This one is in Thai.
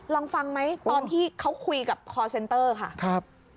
ลองฟังไหมตอนที่เขาคุยกับคอร์เซนเตอร์ค่ะครับ